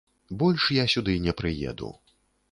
Больш я сюды не прыеду.